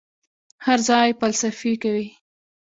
هر ځای فلسفې کوي.